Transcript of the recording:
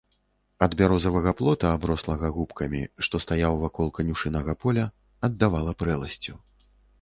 Ад бярозавага плота, аброслага губкамі, што стаяў вакол канюшыннага поля, аддавала прэласцю.